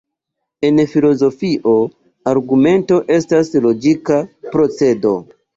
En filozofio, argumento estas logika procedo.